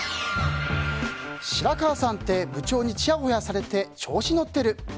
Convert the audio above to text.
白川さんって部長にちやほやされて調子乗ってる。